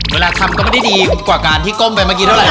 เวลาทำก็ไม่ได้ดีกว่าการที่ก้มไปเมื่อกี้เท่าไห